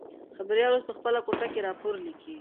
خبریال اوس په خپله کوټه کې راپور لیکي.